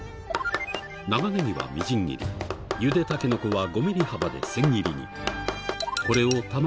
長ネギはみじん切り、ゆでタケノコは５ミリ幅で千切りに。